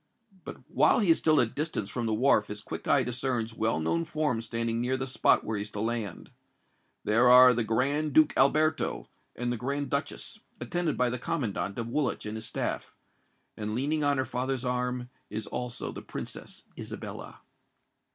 But while he is still at a distance from the wharf his quick eye discerns well known forms standing near the spot where he is to land. There are the Grand Duke Alberto and the Grand Duchess, attended by the commandant of Woolwich and his staff; and leaning on her father's arm, is also the Princess Isabella.